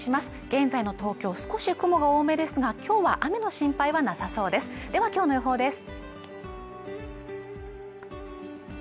現在の東京少し雲が多めですが今日は雨の心配はなさそうです